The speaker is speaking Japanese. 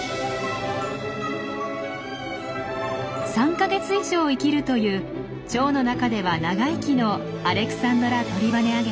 ３か月以上生きるというチョウの中では長生きのアレクサンドラトリバネアゲハ。